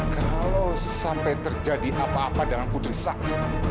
kalau sampai terjadi apa apa dengan putri saya